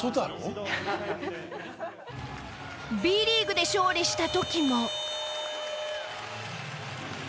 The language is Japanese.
Ｂリーグで勝利した時も。